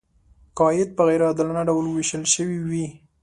که عاید په غیر عادلانه ډول ویشل شوی وي.